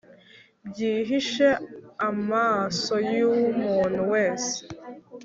bwihishe amaso y'umuntu wese